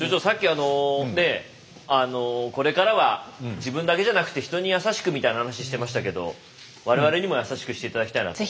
あのこれからは自分だけじゃなくて人に優しくみたいな話してましたけど我々にも優しくして頂きたいなと。